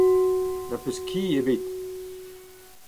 Ne'z peus ki ebet.